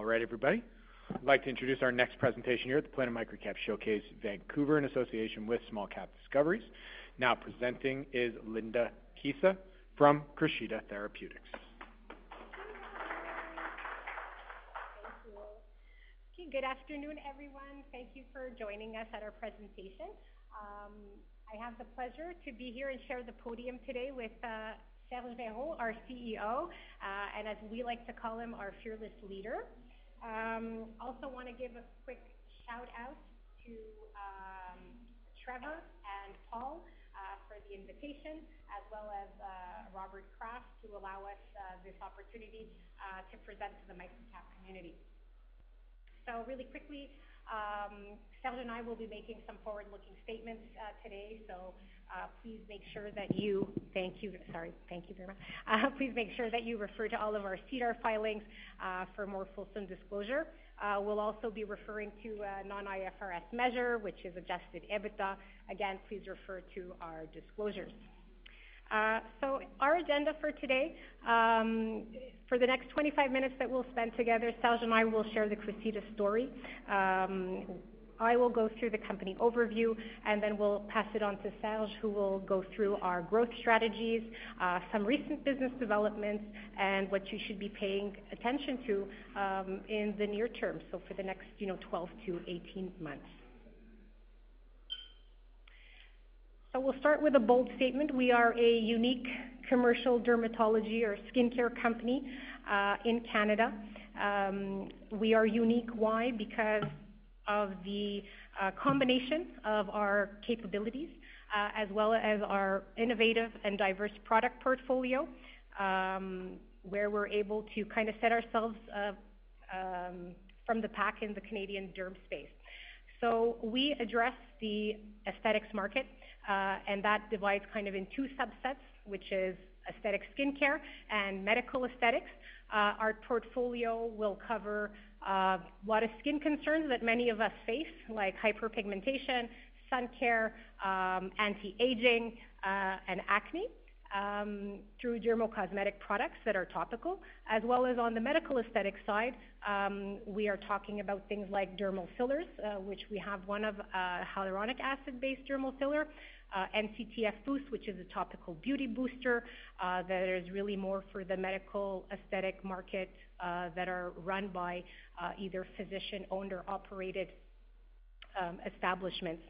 All right, everybody. I'd like to introduce our next presentation here at the Planet MicroCap Showcase, Vancouver, in association with Small Cap Discoveries. Now presenting is Linda Kisa from Crescita Therapeutics. Thank you. Okay, good afternoon, everyone. Thank you for joining us at our presentation. I have the pleasure to be here and share the podium today with, Serge Verreault, our CEO, and as we like to call him, our fearless leader. Also wanna give a quick shout-out to, Trevor and Paul, for the invitation, as well as, Robert Cross, to allow us, this opportunity, to present to the MicroCap community. So really quickly, Serge and I will be making some forward-looking statements, today, so, please make sure that you... Thank you. Sorry. Thank you very much. Please make sure that you refer to all of our SEDAR filings, for more fulsome disclosure. We'll also be referring to a non-IFRS measure, which is adjusted EBITDA. Again, please refer to our disclosures. So our agenda for today, for the next 25 minutes that we'll spend together, Serge and I will share the Crescita story. I will go through the company overview, and then we'll pass it on to Serge, who will go through our growth strategies, some recent business developments, and what you should be paying attention to, in the near term, so for the next, you know, 12 to 18 months. So we'll start with a bold statement. We are a unique commercial dermatology or skincare company, in Canada. We are unique, why? Because of the combination of our capabilities, as well as our innovative and diverse product portfolio, where we're able to kind of set ourselves from the pack in the Canadian derm space. So we address the aesthetics market, and that divides kind of in two subsets, which is aesthetic skincare and medical aesthetics. Our portfolio will cover a lot of skin concerns that many of us face, like hyperpigmentation, sun care, anti-aging, and acne, through dermocosmetic products that are topical. As well as on the medical aesthetic side, we are talking about things like dermal fillers, which we have one of, hyaluronic acid-based dermal filler, NCTF Boost, which is a topical beauty booster, that is really more for the medical aesthetic market, that are run by either physician-owned or operated, establishments.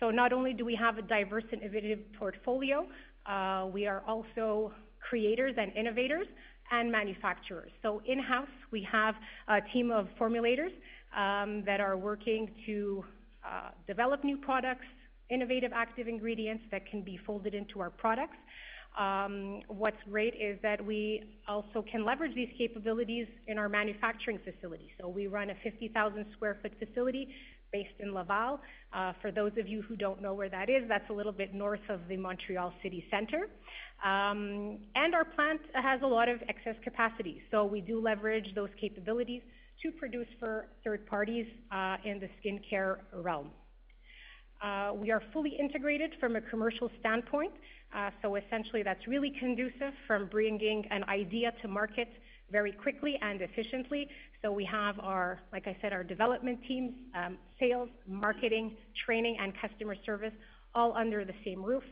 So not only do we have a diverse, innovative portfolio, we are also creators and innovators and manufacturers. In-house, we have a team of formulators that are working to develop new products, innovative active ingredients that can be folded into our products. What's great is that we also can leverage these capabilities in our manufacturing facility. We run a 50,000 sq ft facility based in Laval. For those of you who don't know where that is, that's a little bit north of the Montreal city center, and our plant has a lot of excess capacity, so we do leverage those capabilities to produce for third parties in the skincare realm. We are fully integrated from a commercial standpoint, so essentially that's really conducive from bringing an idea to market very quickly and efficiently. So we have our, like I said, our development teams, sales, marketing, training, and customer service all under the same roof,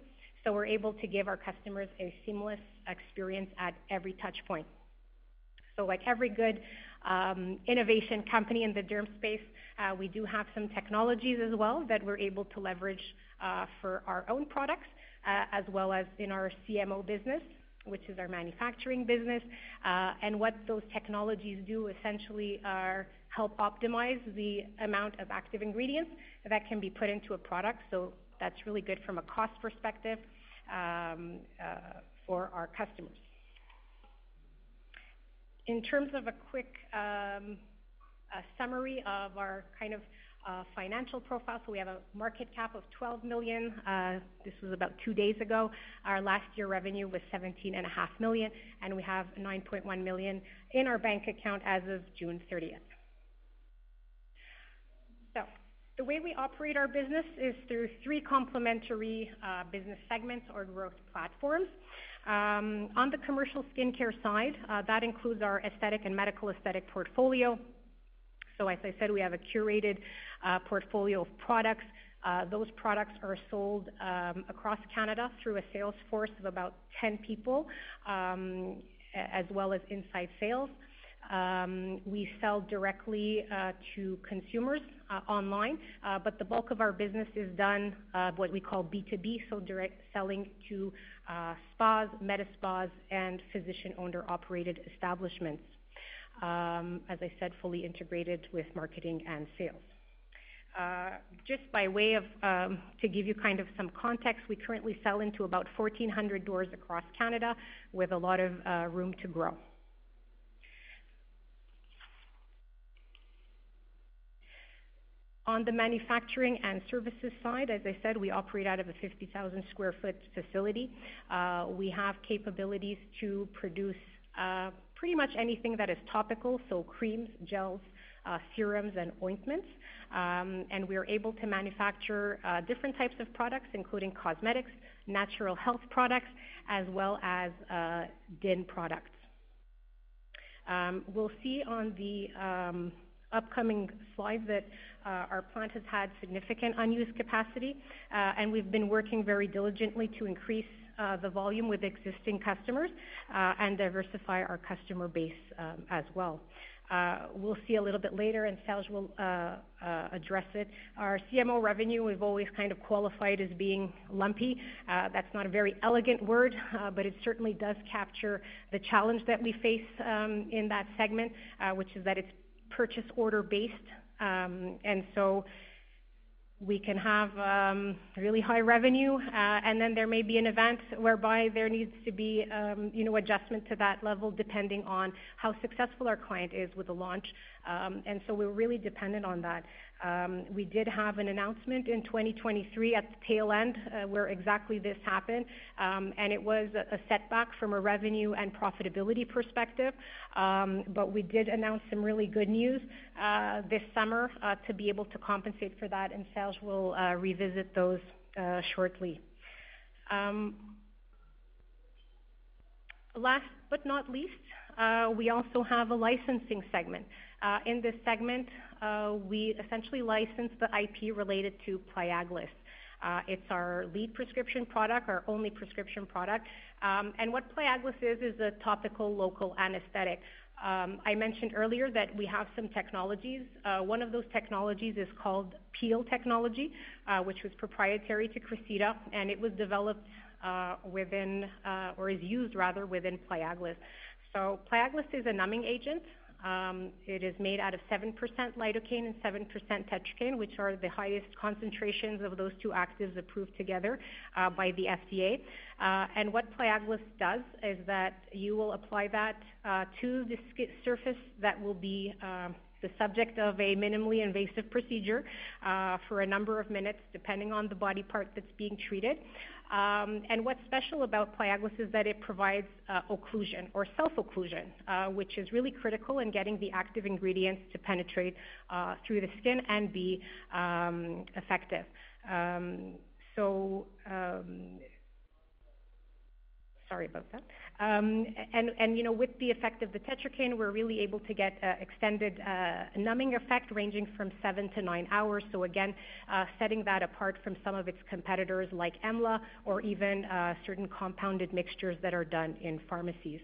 so we're able to give our customers a seamless experience at every touchpoint. So like every good innovation company in the derm space, we do have some technologies as well that we're able to leverage, for our own products, as well as in our CMO business, which is our manufacturing business. And what those technologies do essentially are help optimize the amount of active ingredients that can be put into a product. So that's really good from a cost perspective, for our customers. In terms of a quick summary of our kind of financial profile, so we have a market cap of 12 million. This was about two days ago. Our last year revenue was 17.5 million, and we have 9.1 million in our bank account as of June 30th. So the way we operate our business is through three complementary, business segments or growth platforms. On the Commercial Skincare side, that includes our aesthetic and medical aesthetic portfolio. So as I said, we have a curated, portfolio of products. Those products are sold, across Canada through a sales force of about 10 people, as well as inside sales. We sell directly, to consumers, online, but the bulk of our business is done, what we call B2B, so direct selling to, spas, medispas, and physician-owner-operated establishments. As I said, fully integrated with marketing and sales. Just by way of, to give you kind of some context, we currently sell into about 1,400 doors across Canada with a lot of room to grow. On the Manufacturing and Services side, as I said, we operate out of a 50,000-sq ft facility. We have capabilities to produce pretty much anything that is topical, so creams, gels, serums and ointments, and we are able to manufacture different types of products, including cosmetics, natural health products, as well as DIN products. We'll see on the upcoming slide that our plant has had significant unused capacity, and we've been working very diligently to increase the volume with existing customers and diversify our customer base, as well. We'll see a little bit later, and Serge will address it. Our CMO revenue, we've always kind of qualified as being lumpy. That's not a very elegant word, but it certainly does capture the challenge that we face, in that segment, which is that it's purchase order based, and so we can have really high revenue, and then there may be an event whereby there needs to be you know adjustment to that level, depending on how successful our client is with the launch, and so we're really dependent on that. We did have an announcement in 2023 at the tail end, where exactly this happened, and it was a setback from a revenue and profitability perspective, but we did announce some really good news this summer to be able to compensate for that, and Serge will revisit those shortly. Last but not least, we also have a licensing segment. In this segment, we essentially license the IP related to Pliaglis. It's our lead prescription product, our only prescription product. And what Pliaglis is, is a topical local anesthetic. I mentioned earlier that we have some technologies. One of those technologies is called Peel Technology, which was proprietary to Crescita, and it was developed within or is used rather within Pliaglis. So Pliaglis is a numbing agent. It is made out of 7% lidocaine and 7% tetracaine, which are the highest concentrations of those two actives approved together by the FDA. And what Pliaglis does is that you will apply that, to the skin surface that will be, the subject of a minimally invasive procedure, for a number of minutes, depending on the body part that's being treated. And what's special about Pliaglis is that it provides, occlusion or self-occlusion, which is really critical in getting the active ingredients to penetrate, through the skin and be, effective. So, Sorry about that. And, you know, with the effect of the tetracaine, we're really able to get, extended, numbing effect ranging from seven to nine hours. So again, setting that apart from some of its competitors like EMLA or even, certain compounded mixtures that are done in pharmacies.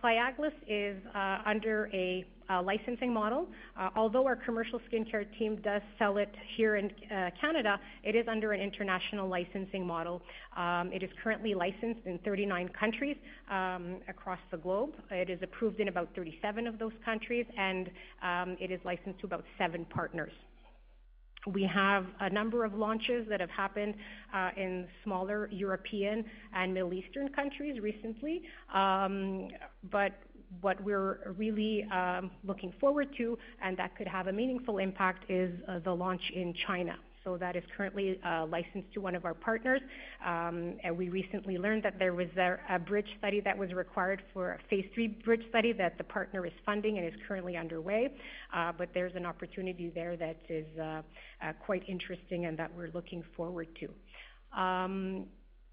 So Pliaglis is, under a licensing model. Although our commercial skincare team does sell it here in Canada, it is under an international licensing model. It is currently licensed in 39 countries across the globe. It is approved in about 37 of those countries, and it is licensed to about seven partners. We have a number of launches that have happened in smaller European and Middle Eastern countries recently. But what we're really looking forward to, and that could have a meaningful impact, is the launch in China. So that is currently licensed to one of our partners. And we recently learned that there was a bridge study that was required for a Phase III bridge study that the partner is funding and is currently underway. But there's an opportunity there that is quite interesting and that we're looking forward to.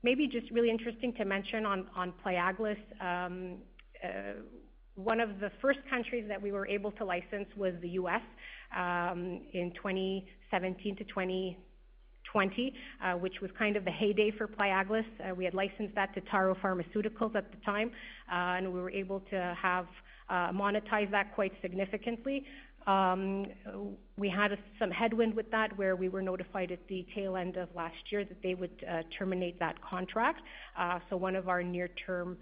Maybe just really interesting to mention on Pliaglis, one of the first countries that we were able to license was the U.S., in 2017 to 2020, which was kind of the heyday for Pliaglis. We had licensed that to Taro Pharmaceuticals at the time, and we were able to monetize that quite significantly. We had some headwind with that, where we were notified at the tail end of last year that they would terminate that contract. So one of our near-term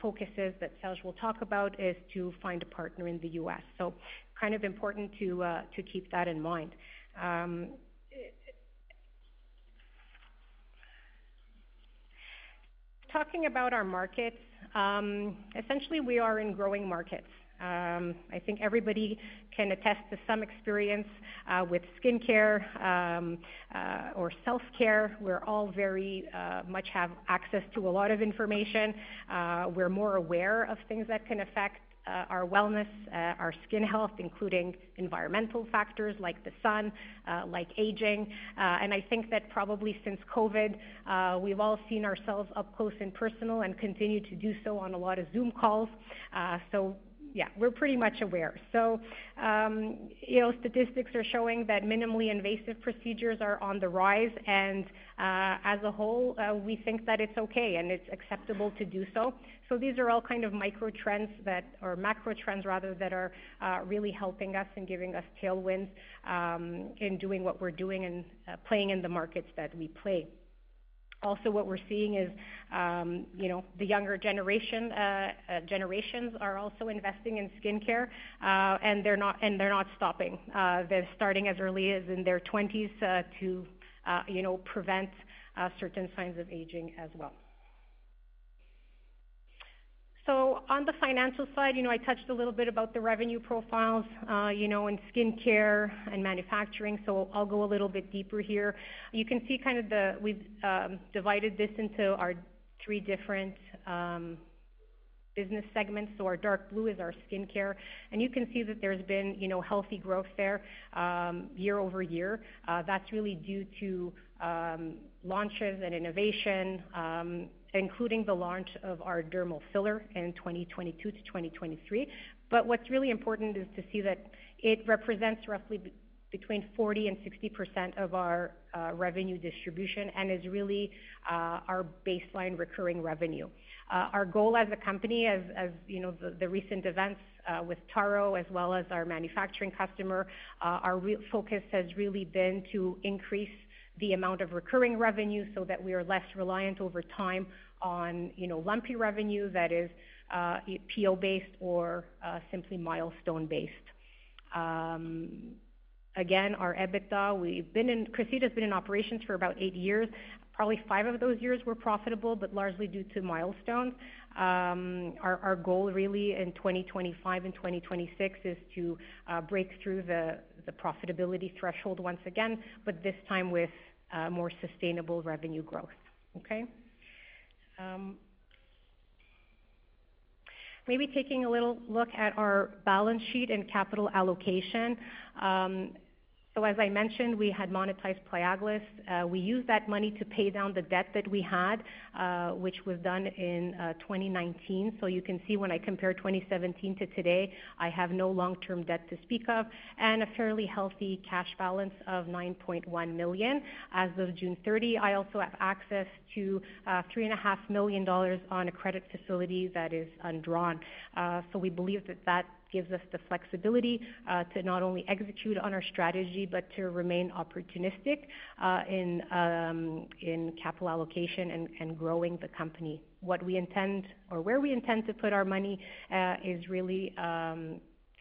focuses that Serge will talk about is to find a partner in the U.S. So kind of important to keep that in mind. Talking about our markets, essentially, we are in growing markets. I think everybody can attest to some experience with skincare or self-care. We're all very much have access to a lot of information. We're more aware of things that can affect our wellness, our skin health, including environmental factors like the sun, like aging, and I think that probably since COVID, we've all seen ourselves up close and personal and continue to do so on a lot of Zoom calls, so yeah, we're pretty much aware, so you know, statistics are showing that minimally invasive procedures are on the rise, and as a whole, we think that it's okay and it's acceptable to do so, so these are all kind of micro trends that, or macro trends rather, that are really helping us and giving us tailwinds in doing what we're doing and playing in the markets that we play. Also, what we're seeing is, you know, the younger generation, generations are also investing in skincare, and they're not, and they're not stopping. They're starting as early as in their 20s, to, you know, prevent certain signs of aging as well. So on the Financial side, you know, I touched a little bit about the revenue profiles, you know, in Skincare and Manufacturing, so I'll go a little bit deeper here. You can see we've divided this into our three different business segments. So our dark blue is our skin care, and you can see that there's been, you know, healthy growth there, year-over-year. That's really due to launches and innovation, including the launch of our dermal filler in 2022 to 2023. But what's really important is to see that it represents roughly 40%-60% of our revenue distribution and is really our baseline recurring revenue. Our goal as a company, as you know, the recent events with Taro as well as our manufacturing customer, our real focus has really been to increase the amount of recurring revenue so that we are less reliant over time on, you know, lumpy revenue that is PO-based or simply milestone-based. Again, our EBITDA, Crescita has been in operations for about eight years. Probably five of those years were profitable, but largely due to milestones. Our goal really in 2025 and 2026 is to break through the profitability threshold once again, but this time with more sustainable revenue growth. Okay? Maybe taking a little look at our balance sheet and capital allocation. So as I mentioned, we had monetized Pliaglis. We used that money to pay down the debt that we had, which was done in 2019. So you can see when I compare 2017 to today, I have no long-term debt to speak of and a fairly healthy cash balance of 9.1 million. As of June 30, I also have access to 3.5 million dollars on a credit facility that is undrawn. So we believe that that gives us the flexibility to not only execute on our strategy, but to remain opportunistic in capital allocation and growing the company. What we intend or where we intend to put our money is really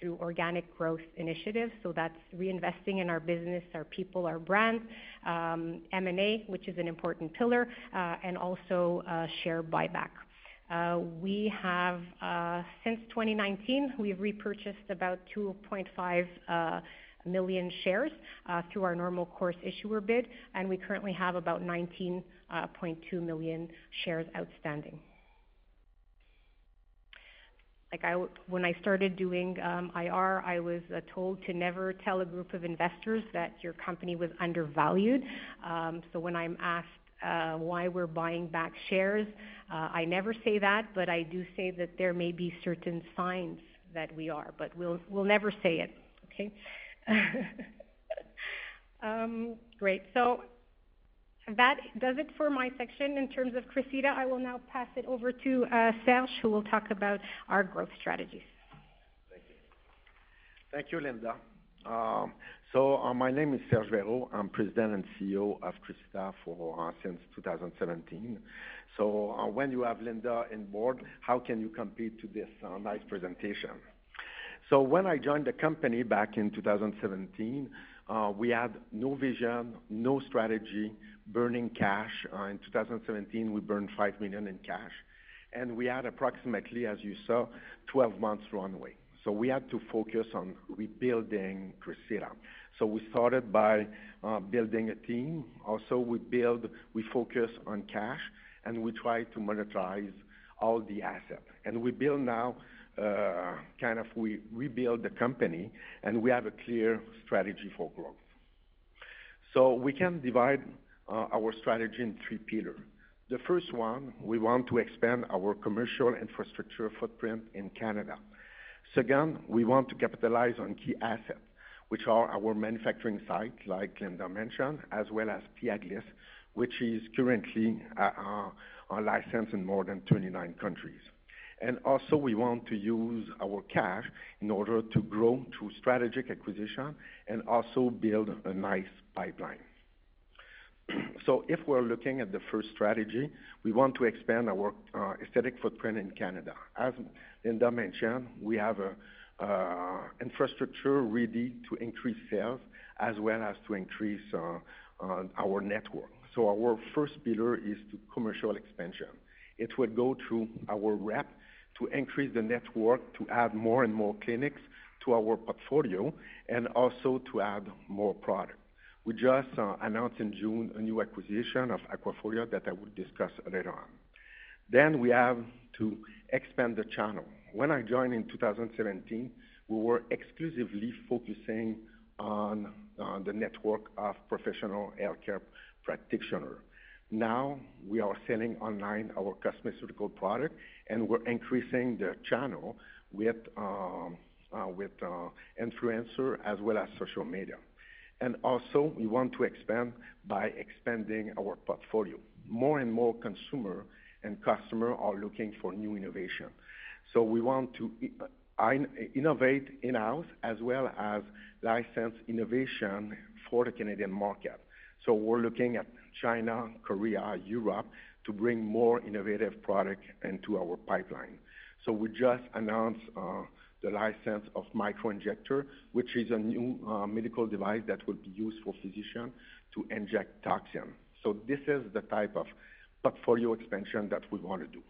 through organic growth initiatives, so that's reinvesting in our business, our people, our brands, M&A, which is an important pillar, and also share buyback. We have since 2019, we've repurchased about 2.5 million shares through our normal course issuer bid, and we currently have about 19.2 million shares outstanding. Like I-- when I started doing IR, I was told to never tell a group of investors that your company was undervalued. So when I'm asked why we're buying back shares, I never say that, but I do say that there may be certain signs that we are, but we'll never say it, okay? Great. So that does it for my section. In terms of Crescita, I will now pass it over to Serge, who will talk about our growth strategies. Thank you. Thank you, Linda. My name is Serge Verreault. I'm President and CEO of Crescita since 2017. When you have Linda on board, how can you compete with this nice presentation? When I joined the company back in 2017, we had no vision, no strategy, burning cash. In 2017, we burned 5 million in cash, and we had approximately, as you saw, 12 months runway. We had to focus on rebuilding Crescita. We started by building a team. Also, we focus on cash, and we try to monetize all the assets. We built now, kind of, we rebuilt the company, and we have a clear strategy for growth. We can divide our strategy in three pillars. The first one, we want to expand our commercial infrastructure footprint in Canada. Second, we want to capitalize on key assets, which are our manufacturing site, like Linda mentioned, as well as Pliaglis, which is currently licensed in more than 29 countries. And also, we want to use our cash in order to grow through strategic acquisition and also build a nice pipeline. If we're looking at the first strategy, we want to expand our aesthetic footprint in Canada. As Linda mentioned, we have a infrastructure ready to increase sales as well as to increase our network. Our first pillar is to commercial expansion. It would go through our rep to increase the network, to add more and more clinics to our portfolio, and also to add more product. We just announced in June a new acquisition of Aquafolia that I will discuss later on, then we have to expand the channel. When I joined in 2017, we were exclusively focusing on the network of professional healthcare practitioner. Now, we are selling online our cosmeceutical product, and we're increasing the channel with influencer as well as social media, and also we want to expand by expanding our portfolio. More and more consumer and customer are looking for new innovation, so we want to innovate in-house as well as license innovation for the Canadian market, so we're looking at China, Korea, Europe to bring more innovative product into our pipeline, so we just announced the license of Microinjector, which is a new medical device that will be used for physician to inject toxin. This is the type of portfolio expansion that we want to do.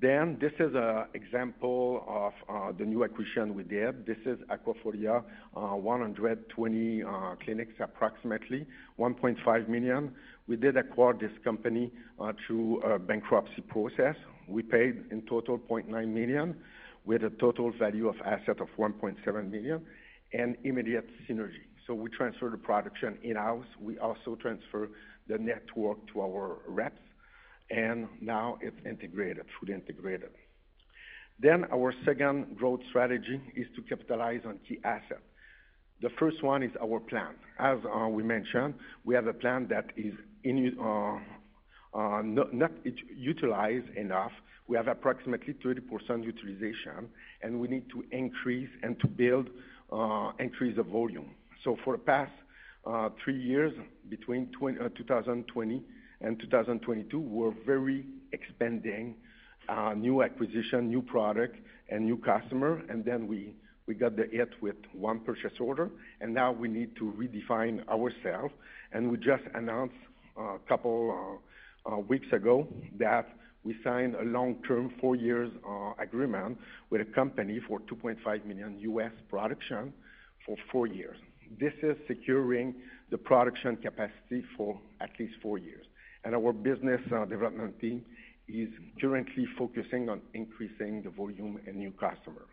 Then this is an example of the new acquisition we did. This is Aquafolia, 120 clinics, approximately 1.5 million. We did acquire this company through a bankruptcy process. We paid in total 0.9 million, with a total value of assets of 1.7 million and immediate synergy. We transferred the production in-house. We also transferred the network to our reps, and now it's integrated, fully integrated. Our second growth strategy is to capitalize on key assets. The first one is our plant. As we mentioned, we have a plant that is not utilized enough. We have approximately 30% utilization, and we need to increase and to build, increase the volume. For the past three years, between 2020 and 2022, we're very expanding new acquisition, new product, and new customer. Then we got the hit with one purchase order, and now we need to redefine ourselves. We just announced a couple weeks ago that we signed a long-term four years agreement with a company for $2.5 million production for four years. This is securing the production capacity for at least four years, and our business development team is currently focusing on increasing the volume and new customer.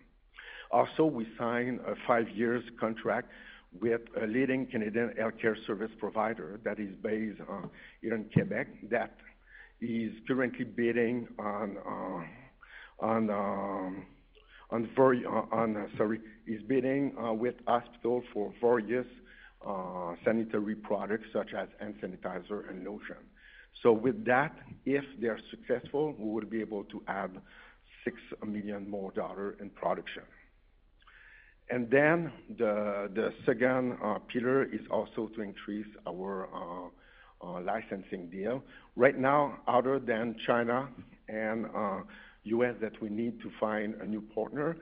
Also, we signed a five years contract with a leading Canadian healthcare service provider that is based here in Quebec, that is currently bidding with hospital for various sanitary products such as hand sanitizer and lotion. So with that, if they are successful, we will be able to add 6 million dollars more in production. And then the second pillar is also to increase our licensing deal. Right now, other than China and U.S., that we need to find a new partner,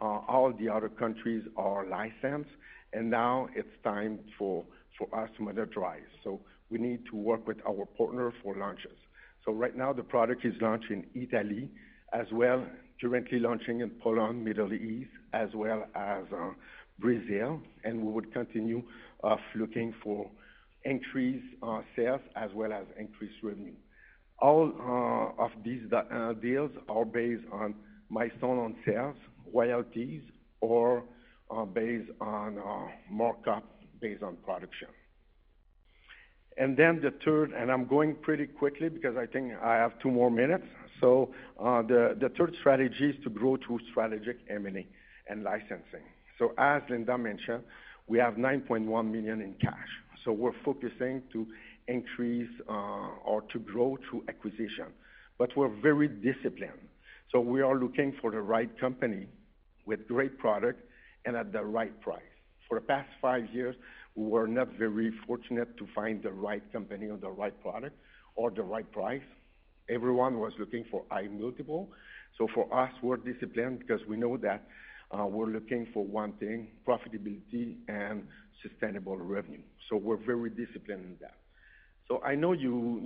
all the other countries are licensed, and now it's time for us to monetize. So we need to work with our partner for launches. So right now, the product is launched in Italy, as well, currently launching in Poland, Middle East, as well as Brazil, and we would continue of looking for increased sales as well as increased revenue. All of these deals are based on milestone on sales, royalties, or based on markup, based on production. And then the third, and I'm going pretty quickly because I think I have two more minutes. So the third strategy is to grow through strategic M&A and licensing. So as Linda mentioned, we have 9.1 million in cash, so we're focusing to increase or to grow through acquisition. But we're very disciplined, so we are looking for the right company with great product and at the right price. For the past five years, we were not very fortunate to find the right company or the right product or the right price. Everyone was looking for high multiple. So for us, we're disciplined because we know that, we're looking for one thing: profitability and sustainable revenue. So we're very disciplined in that. So I know you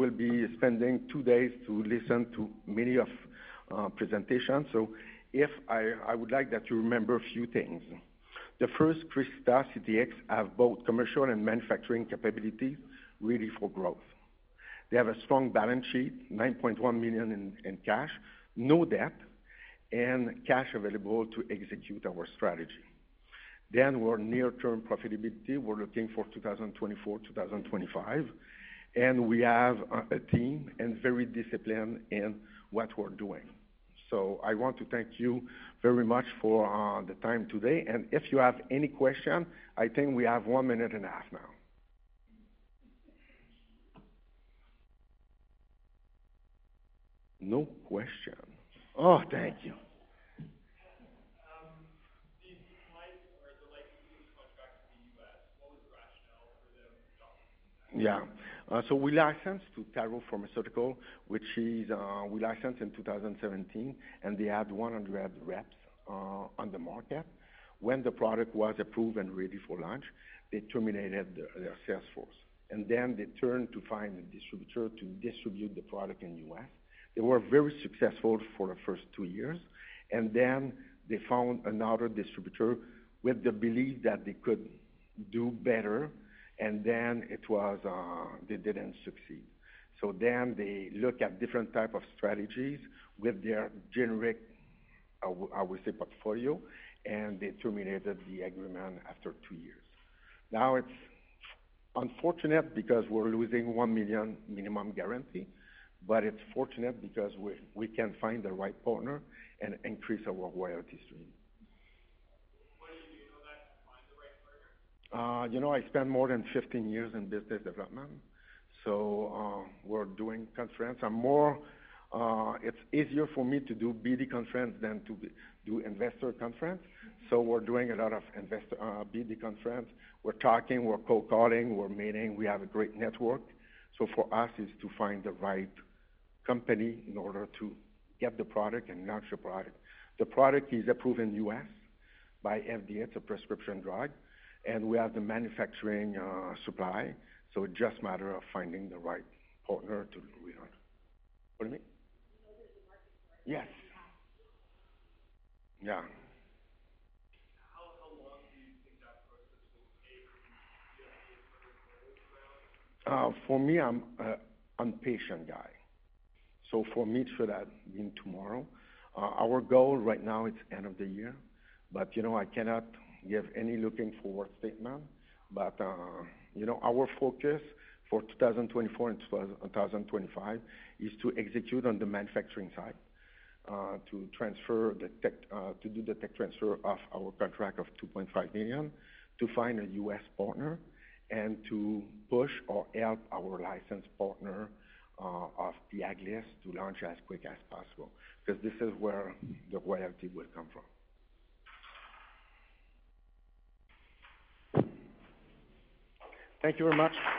will be spending two days to listen to many of presentations. So if I would like that you remember a few things. The first, Crescita CTX have both commercial and manufacturing capability, ready for growth. They have a strong balance sheet, 9.1 million in cash, no debt, and cash available to execute our strategy. Then our near-term profitability, we're looking for 2024, 2025, and we have a team and very disciplined in what we're doing. I want to thank you very much for the time today, and if you have any question, I think we have one minute and a half now. No question? Oh, thank you. Yeah. So we licensed to Taro Pharmaceutical, which is, we licensed in 2017, and they had one hundred reps on the market. When the product was approved and ready for launch, they terminated their, their sales force, and then they turned to find a distributor to distribute the product in the U.S. They were very successful for the first two years, and then they found another distributor with the belief that they could do better, and then it was, they didn't succeed. So then they look at different type of strategies with their generic, I would say, portfolio, and they terminated the agreement after two years. Now, it's unfortunate because we're losing 1 million minimum guarantee, but it's fortunate because we, we can find the right partner and increase our royalty stream. What did you do to find the right partner? You know, I spent more than 15 years in business development, so we're doing conference. I'm more, it's easier for me to do BD conference than to do investor conference, so we're doing a lot of investor BD conference. We're talking, we're cold calling, we're meeting. We have a great network. So for us, it's to find the right company in order to get the product and launch the product. The product is approved in the U.S. by FDA. It's a prescription drug, and we have the manufacturing supply, so it's just matter of finding the right partner to go with on. What do you mean? Yes. Yeah. How long do you think that process will be? For me, I'm an impatient guy, so for me, should have been tomorrow. Our goal right now, it's end of the year, but, you know, I cannot give any forward-looking statement. But, you know, our focus for 2024 and 2025 is to execute on the manufacturing side, to transfer the tech, to do the tech transfer of our contract of $2.5 million, to find a U.S. partner, and to push or help our licensed partner of Pliaglis to launch as quick as possible, because this is where the royalty will come from. Thank you very much.